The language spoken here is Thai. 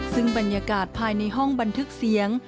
ซึ่งบรรยากาศภายในห้องบันทึกเสียง